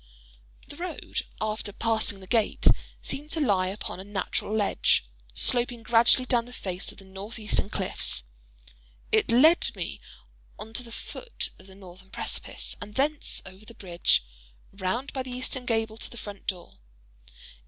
The road, after passing the gate, seemed to lie upon a natural ledge, sloping gradually down along the face of the north eastern cliffs. It led me on to the foot of the northern precipice, and thence over the bridge, round by the eastern gable to the front door.